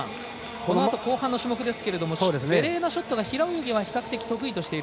このあと後半の種目ベレーナ・ショットが平泳ぎが比較的得意。